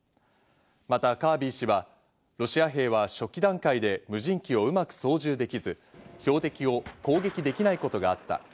またカービー氏はロシア兵は初期段階で無人機をうまく操縦できず、標的を攻撃できないことがあった。